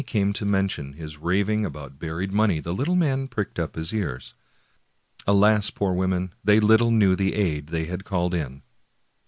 207 American Mystery Stories mention his raving about buried money the Httle man pricked up his ears. Alas, poor women! they httle knew the aid they had called in.